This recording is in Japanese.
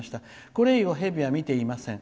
これ以後、蛇は見ていません。